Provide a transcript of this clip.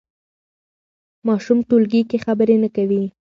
ماشوم ټولګي کې خبرې نه کوي.